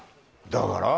だから？